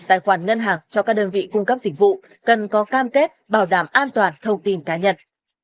tài khoản ngân hàng cho các đơn vị cung cấp dịch vụ cần có cam kết bảo đảm an toàn thông tin cá nhân